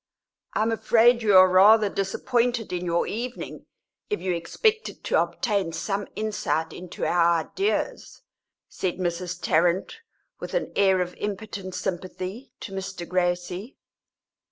"I am afraid you are rather disappointed in your evening if you expected to obtain some insight into our ideas," said Mrs. Tarrant, with an air of impotent sympathy, to Mr. Gracie.